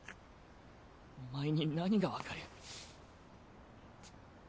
お前に何がわかる。